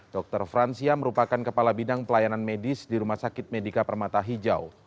dr fransia merupakan kepala bidang pelayanan medis di rumah sakit medika permata hijau